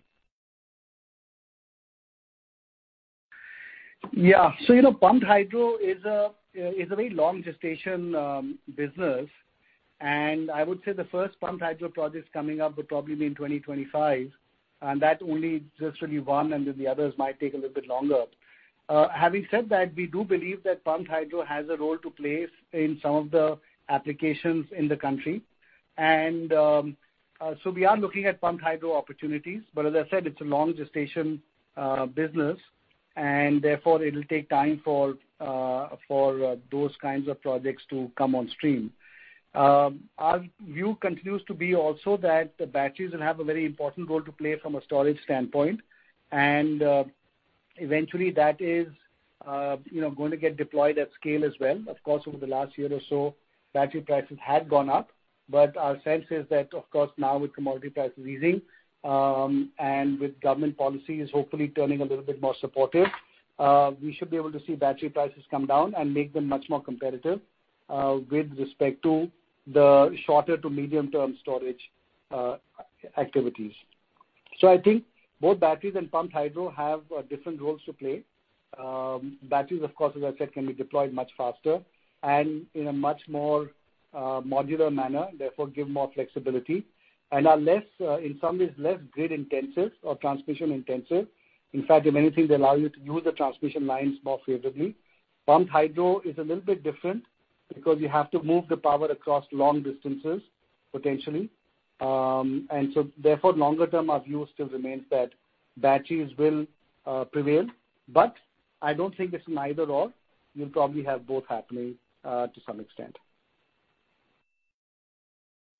Yeah. You know, pumped hydro is a very long gestation business. I would say the first pumped hydro projects coming up would probably be in 2025, and that only just will be one, and then the others might take a little bit longer. Having said that, we do believe that pumped hydro has a role to play in some of the applications in the country. We are looking at pumped hydro opportunities. As I said, it's a long gestation business, and therefore it'll take time for those kinds of projects to come on stream. Our view continues to be also that the batteries will have a very important role to play from a storage standpoint. Eventually that is, you know, going to get deployed at scale as well. Of course, over the last year or so battery prices have gone up, but our sense is that of course now with commodity prices easing, and with government policies hopefully turning a little bit more supportive, we should be able to see battery prices come down and make them much more competitive, with respect to the shorter to medium term storage activities. So I think both batteries and pumped hydro have different roles to play. Batteries of course, as I said, can be deployed much faster and in a much more modular manner, therefore give more flexibility, and are less, in some ways less grid intensive or transmission intensive. In fact, in many things allow you to use the transmission lines more favorably. Pumped hydro is a little bit different because you have to move the power across long distances potentially. Therefore longer term our view still remains that batteries will prevail. I don't think it's an either or. You'll probably have both happening to some extent.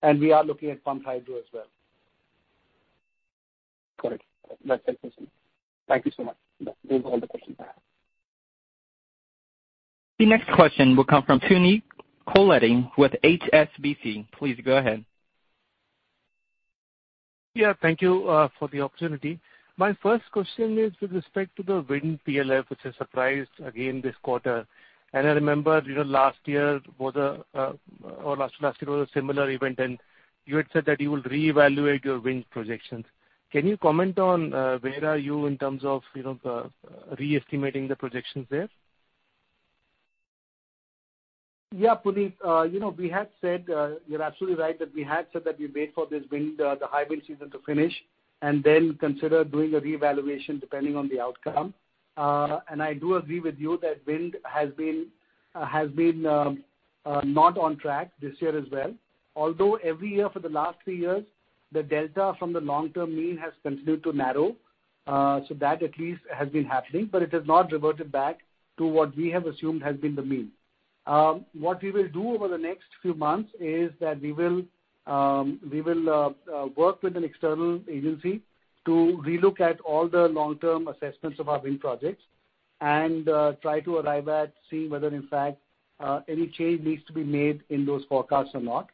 We are looking at pumped hydro as well. Correct. That's it for me. Thank you so much. Those are all the questions I have. The next question will come from Puneet Gulati with HSBC. Please go ahead. Yeah, thank you for the opportunity. My first question is with respect to the wind PLF, which has surprised again this quarter. I remember, you know, last year was a similar event, and you had said that you will reevaluate your wind projections. Can you comment on where are you in terms of, you know, the re-estimating the projections there? Yeah, Puneet. You know, we had said, you're absolutely right that we had said that we wait for this wind, the high wind season to finish and then consider doing a reevaluation depending on the outcome. I do agree with you that wind has been not on track this year as well. Although every year for the last three years, the delta from the long term mean has continued to narrow. That at least has been happening, but it has not reverted back to what we have assumed has been the mean. What we will do over the next few months is that we will work with an external agency to relook at all the long-term assessments of our wind projects and try to arrive at see whether in fact any change needs to be made in those forecasts or not.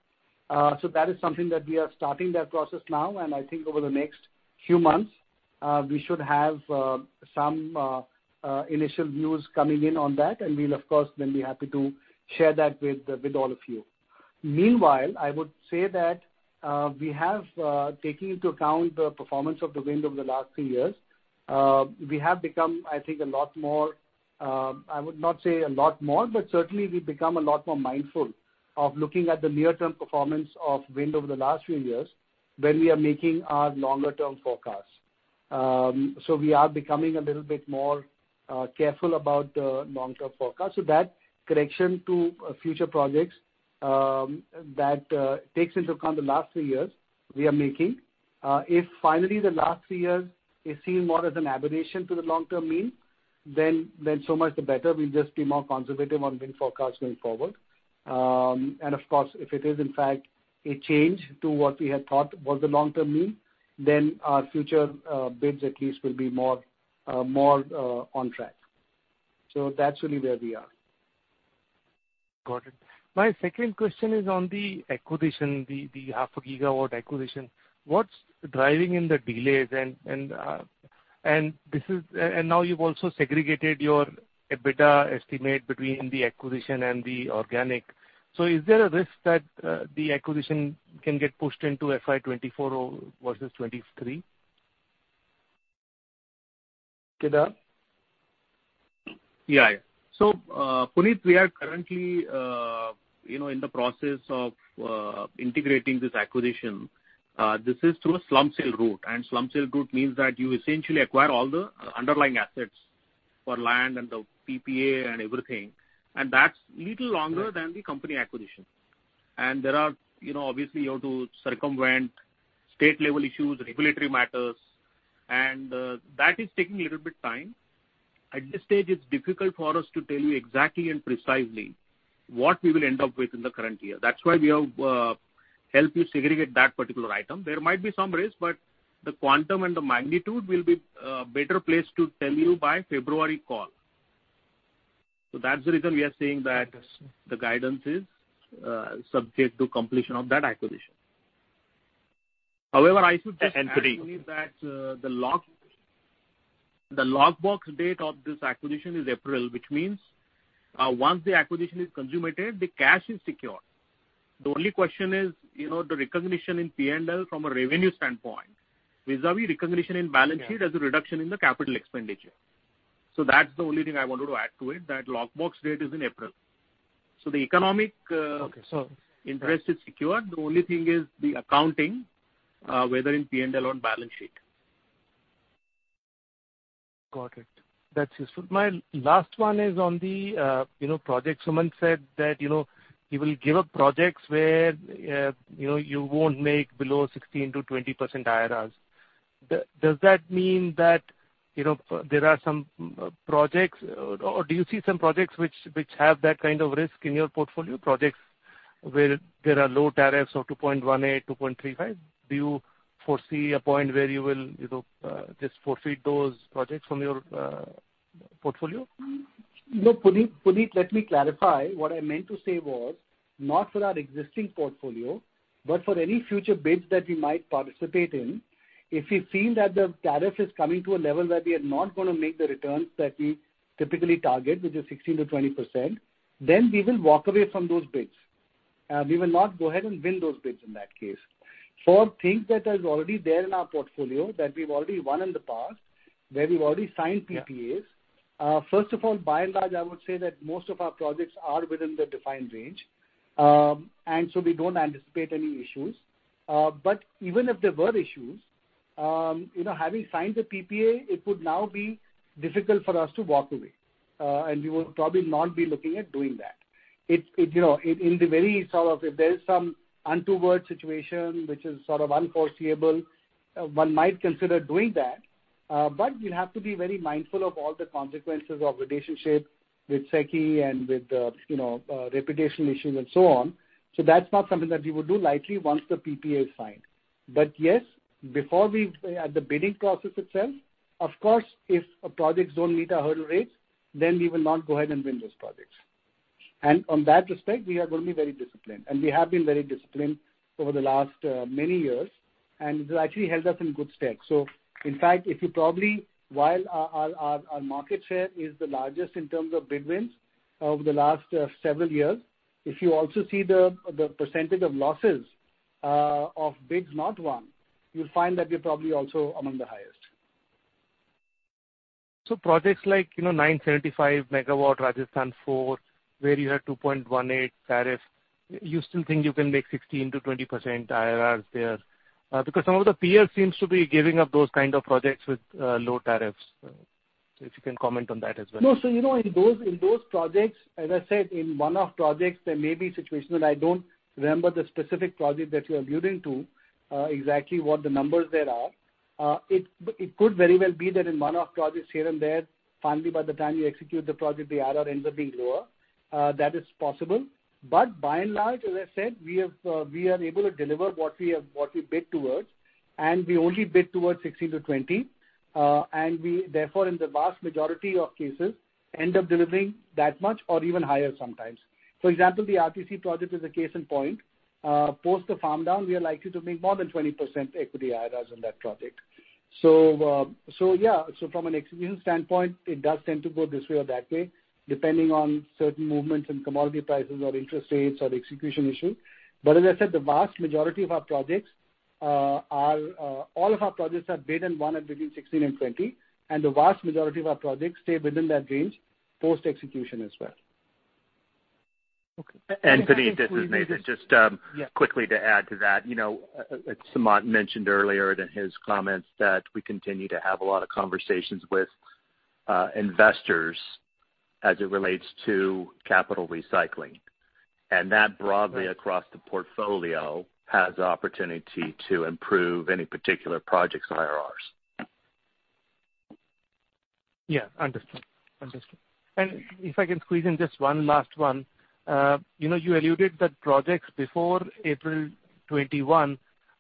That is something that we are starting that process now, and I think over the next few months we should have some initial news coming in on that, and we'll of course then be happy to share that with all of you. Meanwhile, I would say that we have taking into account the performance of the wind over the last three years we have become. I think a lot more. I would not say a lot more, but certainly we've become a lot more mindful of looking at the near term performance of wind over the last few years when we are making our longer term forecasts. We are becoming a little bit more careful about the long term forecast. That correction to future projects that takes into account the last three years we are making. If finally the last three years is seen more as an aberration to the long term mean, then so much the better. We'll just be more conservative on wind forecasts going forward. Of course, if it is in fact a change to what we had thought was the long term mean, then our future bids at least will be more on track. That's really where we are. Got it. My second question is on the acquisition, the half a gigawatt acquisition. What's driving the delays and now you've also segregated your EBITDA estimate between the acquisition and the organic. Is there a risk that the acquisition can get pushed into FY 2024 versus 2023? Kedar? Yeah, yeah. Puneet, we are currently, you know, in the process of integrating this acquisition. This is through a slump sale route, and slump sale route means that you essentially acquire all the underlying assets for land and the PPA and everything, and that's little longer than the company acquisition. There are, you know, obviously you have to circumvent state level issues, regulatory matters, and that is taking a little bit time. At this stage, it's difficult for us to tell you exactly and precisely what we will end up with in the current year. That's why we have helped you segregate that particular item. There might be some risk, but the quantum and the magnitude will be better placed to tell you by February call. That's the reason we are saying that the guidance is subject to completion of that acquisition. However, I should just add only that, the lock box date of this acquisition is April, which means once the acquisition is consummated, the cash is secure. The only question is, you know, the recognition in P&L from a revenue standpoint vis-a-vis recognition in balance sheet as a reduction in the capital expenditure. That's the only thing I wanted to add to it, that lock box date is in April. The economic Okay. Interest is secured. The only thing is the accounting, whether in P&L or balance sheet. Got it. That's useful. My last one is on the, you know, project. Sumant said that, you know, he will give up projects where, you know, you won't make below 16%-20% IRRs. Does that mean that, you know, there are some projects or do you see some projects which have that kind of risk in your portfolio, projects where there are low tariffs of 2.18, 2.35? Do you foresee a point where you will, you know, just forfeit those projects from your portfolio? No, Puneet, let me clarify. What I meant to say was not for our existing portfolio, but for any future bids that we might participate in. If we feel that the tariff is coming to a level that we are not gonna make the returns that we typically target, which is 16% to 20%, then we will walk away from those bids. We will not go ahead and win those bids in that case. For things that are already there in our portfolio that we've already won in the past, where we've already signed PPAs. Yeah. First of all, by and large, I would say that most of our projects are within the defined range. We don't anticipate any issues. Even if there were issues, you know, having signed the PPA, it would now be difficult for us to walk away, and we will probably not be looking at doing that. It, you know, in the very sort of if there's some untoward situation which is sort of unforeseeable, one might consider doing that, but you'd have to be very mindful of all the consequences of relationship with SECI and with the, you know, reputation issues and so on. That's not something that we would do lightly once the PPA is signed. Yes, at the bidding process itself, of course, if a project don't meet our hurdle rates, then we will not go ahead and win those projects. On that respect, we are gonna be very disciplined, and we have been very disciplined over the last many years, and it actually held us in good stead. In fact, if you probably while our market share is the largest in terms of bid wins over the last several years, if you also see the percentage of losses of bids not won, you'll find that we're probably also among the highest. Projects like, you know, 975 megawatts Rajasthan four, where you have 2.18 tariff, you still think you can make 16% to 20% IRRs there? Because some of the peers seems to be giving up those kind of projects with low tariffs. If you can comment on that as well. No. You know, in those projects, as I said, in one-off projects there may be situations, and I don't remember the specific project that you're alluding to, exactly what the numbers there are. It could very well be that in one-off projects here and there, finally by the time you execute the project the IRR ends up being lower. That is possible. By and large, as I said, we are able to deliver what we bid towards, and we only bid towards 16% to 20%. And we therefore, in the vast majority of cases, end up delivering that much or even higher sometimes. For example, the RTC project is a case in point. Post the farm down, we are likely to make more than 20% equity IRRs on that project. From an execution standpoint, it does tend to go this way or that way, depending on certain movements in commodity prices or interest rates or the execution issue. As I said, all of our projects are bid and won at between 16% and 20%, and the vast majority of our projects stay within that range post-execution as well. Okay. Puneet, this is Nathan. Just quickly to add to that. You know, as Sumant mentioned earlier in his comments that we continue to have a lot of conversations with investors as it relates to capital recycling. That broadly across the portfolio has opportunity to improve any particular project's IRRs. Yeah. Understood. If I can squeeze in just one last one. You know, you alluded that projects before April 2021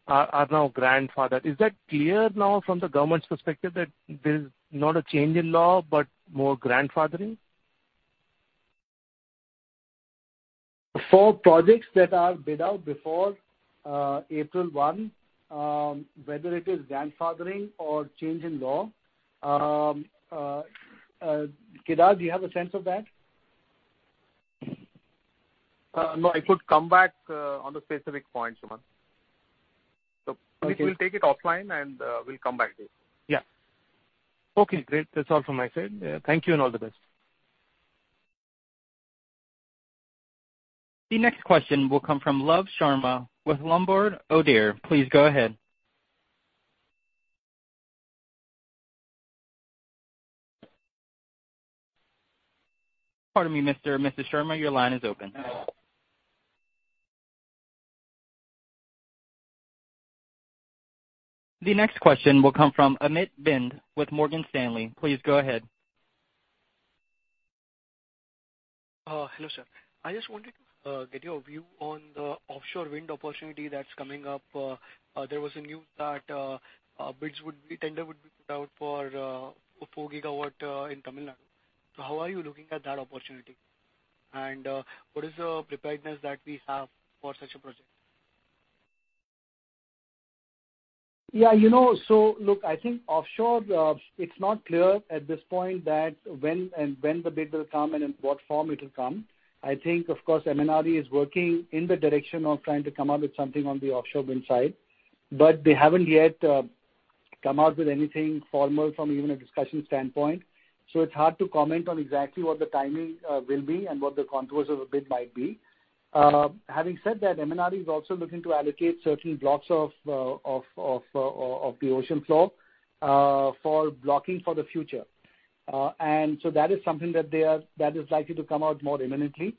are now grandfathered. Is that clear now from the government's perspective that there's not a change in law but more grandfathering? For projects that are bid out before April one, whether it is grandfathering or change in law, Kedar, do you have a sense of that? No, I could come back on the specific point, Sumant. We'll take it offline and we'll come back to you. Yeah. Okay, great. That's all from my side. Thank you and all the best. The next question will come from Lav Sharma with Lombard Odier. Please go ahead. Pardon me, Mr. Sharma, your line is open. The next question will come from Amit Bhinde with Morgan Stanley. Please go ahead. Hello, sir. I just wanted to get your view on the offshore wind opportunity that's coming up. There was a news that bids would be, tender would be put out for 4 gigawatt in Tamil Nadu. How are you looking at that opportunity? What is the preparedness that we have for such a project? Yeah, you know, look, I think offshore, it's not clear at this point when the bid will come and in what form it will come. I think of course MNRE is working in the direction of trying to come up with something on the offshore wind side, but they haven't yet come out with anything formal from even a discussion standpoint. It's hard to comment on exactly what the timing will be and what the contours of a bid might be. Having said that, MNRE is also looking to allocate certain blocks of the ocean floor for blocking for the future. That is something that is likely to come out more imminently.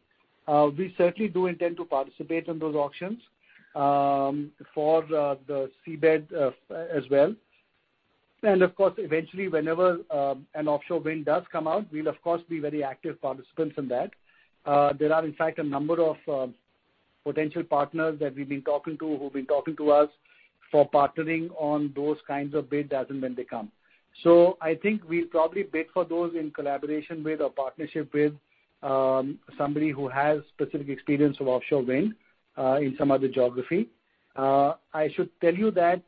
We certainly do intend to participate in those auctions for the seabed as well. Of course, eventually, whenever an offshore wind does come out, we'll of course be very active participants in that. There are in fact a number of potential partners that we've been talking to who've been talking to us for partnering on those kinds of bids as and when they come. I think we probably bid for those in collaboration with or partnership with somebody who has specific experience with offshore wind in some other geography. I should tell you that,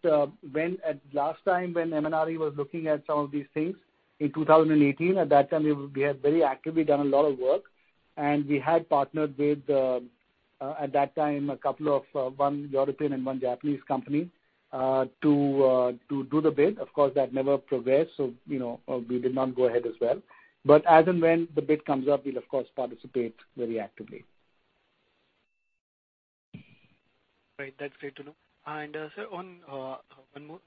when the last time when MNRE was looking at some of these things in 2018, at that time, we had very actively done a lot of work, and we had partnered with, at that time, a couple of, one European and one Japanese company, to do the bid. Of course, that never progressed, so, you know, we did not go ahead as well. As and when the bid comes up, we'll of course participate very actively. Right. That's great to know. Sir, one more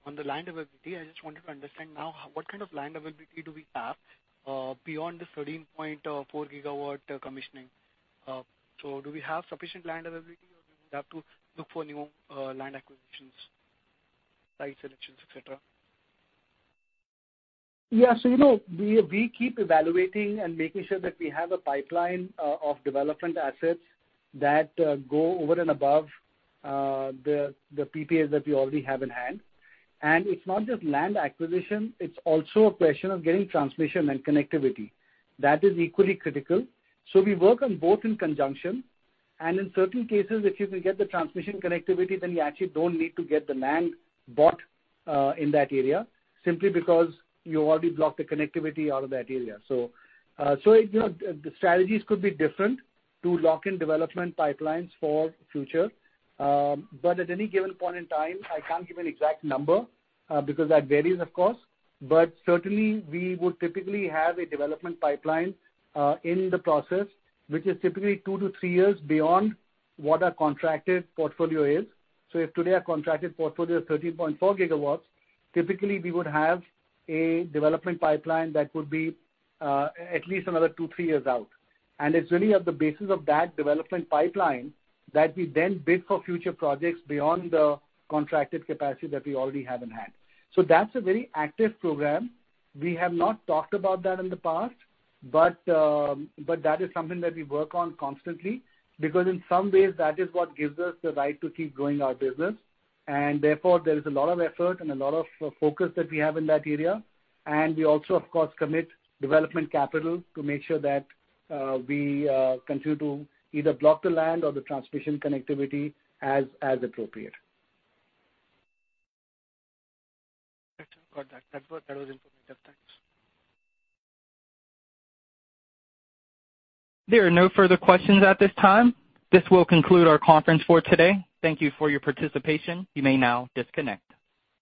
on the land availability, I just wanted to understand now what kind of land availability do we have beyond the 13.4 gigawatt commissioning? So do we have sufficient land availability or do we have to look for new land acquisitions, site selections, et cetera? You know, we keep evaluating and making sure that we have a pipeline of development assets that go over and above the PPAs that we already have in hand. It's not just land acquisition, it's also a question of getting transmission and connectivity. That is equally critical. We work on both in conjunction. In certain cases, if you can get the transmission connectivity, then you actually don't need to get the land bought in that area simply because you already blocked the connectivity out of that area. You know, the strategies could be different to lock in development pipelines for future. At any given point in time, I can't give an exact number because that varies of course, but certainly we would typically have a development pipeline in the process, which is typically 2-3 years beyond what our contracted portfolio is. If today our contracted portfolio is 13.4 gigawatts, typically we would have a development pipeline that would be at least another 2-3 years out. It's really at the basis of that development pipeline that we then bid for future projects beyond the contracted capacity that we already have in hand. That's a very active program. We have not talked about that in the past, but that is something that we work on constantly because in some ways that is what gives us the right to keep growing our business. Therefore, there is a lot of effort and a lot of focus that we have in that area. We also of course commit development capital to make sure that we continue to either block the land or the transmission connectivity as appropriate. Got that. That was informative. Thanks. There are no further questions at this time. This will conclude our conference for today. Thank you for your participation. You may now disconnect.